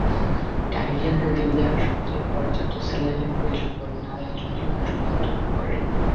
Diarrhoea প্রতিরোধে হাসপাতালে পর্যাপ্ত স্যালাইনের প্রয়োজন বলে নারায়ণ চন্দ্র দাস মন্তব্য করেন।